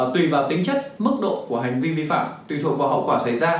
tùy vào tính chất mức độ của hành vi vi phạm tùy thuộc vào hậu quả xảy ra